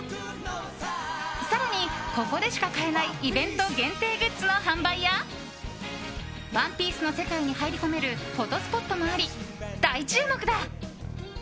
更に、ここでしか買えないイベント限定グッズの販売や「ＯＮＥＰＩＥＣＥ」の世界に入り込めるフォトスポットもあり、大注目だ。